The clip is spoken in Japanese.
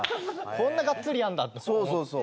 こんながっつりやるんだってそうそうそう。